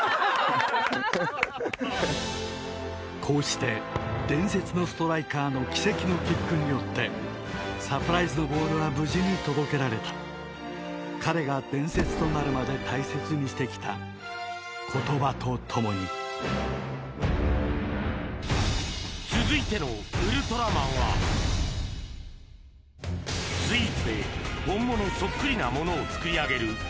こうして伝説のストライカーの奇跡のキックによってサプライズのボールは無事に届けられた彼が伝説となるまで大切にして来た言葉と共に続いてのウルトラマンはスイーツで本物そっくりなものを作り上げる